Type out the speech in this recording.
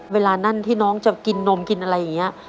เวลานั่นที่น้องจะกินนมกินอะไรอย่างนี้